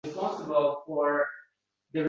Xabar olib bulgan doimo